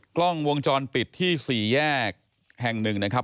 กล้องวงจรปิดที่สี่แยกแห่งหนึ่งนะครับ